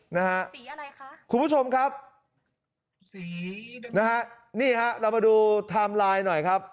สีอะไรคะคุณผู้ชมครับเรามาดูไทม์ไลน์หน่อยครับ